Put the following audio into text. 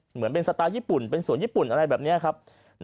เหมือนเป็นสไตล์ญี่ปุ่นเป็นสวนญี่ปุ่นอะไรแบบนี้ครับ